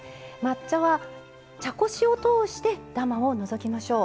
抹茶は茶こしを通してダマを除きましょう。